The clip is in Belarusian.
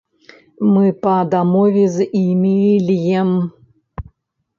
Мы па дамове з імі льем.